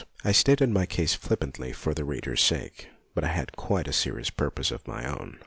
I stated my case flippantly for the reader's sake, but I had quite a serious purpose of my own.